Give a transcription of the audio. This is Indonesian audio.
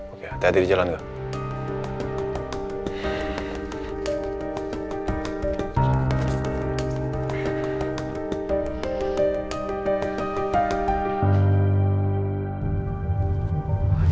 oke hati hati di jalan itu